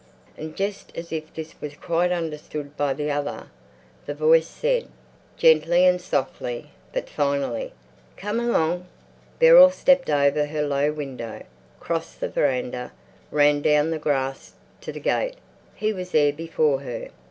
And just as if this was quite understood by the other, the voice said, gently and softly, but finally, "Come along!" Beryl stepped over her low window, crossed the veranda, ran down the grass to the gate. He was there before her.